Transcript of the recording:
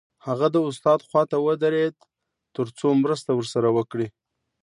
هغه د استاد خواته ودرېد تر څو مرسته ورسره وکړي